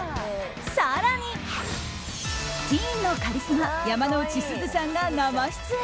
更にティーンのカリスマ山之内すずさんが生出演。